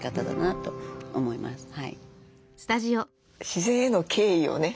自然への敬意をね